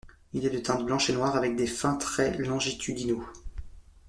Il est de teinte blanche et noire avec de fins traits longitudinaux.